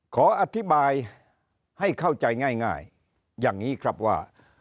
ขออธิบายให้เข้าใจง่ายอย่างนี้ครับว่า